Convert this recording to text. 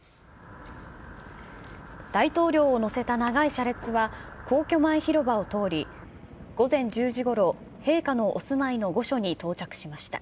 大統領を乗せた長い車列は、皇居前広場を通り、午前１０時ごろ、陛下のお住まいの御所に到着しました。